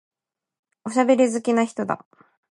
おしゃべり好きな人だ。